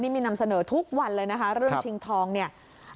นี่มีนำเสนอทุกวันเลยนะคะเรื่องชิงทองเนี่ย